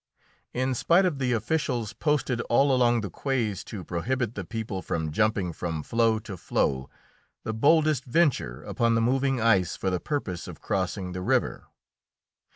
In spite of the officials posted all along the quays to prohibit the people from jumping from floe to floe, the boldest venture upon the moving ice for the purpose of crossing the river.